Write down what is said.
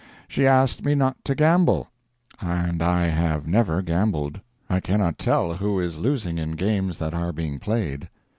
She asked me not to gamble, and I have never gambled. I cannot tell who is losing in games that are being played.